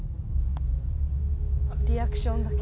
リアクションだけ。